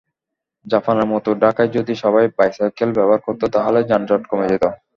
জাপানের মতো ঢাকায় যদি সবাই বাইসাইকেল ব্যবহার করত, তাহলে যানজট কমে যেত।